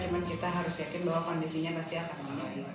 cuman kita harus yakin bahwa kondisinya pasti akan melalui